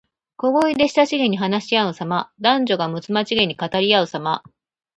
小声で親しげに話しあうさま。男女がむつまじげに語りあうさま。